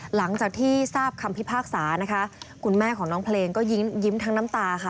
หลังจากที่ทราบคำพิพากษานะคะคุณแม่ของน้องเพลงก็ยิ้มทั้งน้ำตาค่ะ